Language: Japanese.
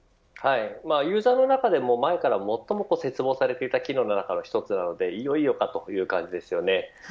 ユーザーの中でも前から最も切望されていた機能の中の１つなのでいよいよか、という感じです。